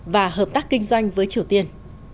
và hợp tác kinh doanh với triều tiên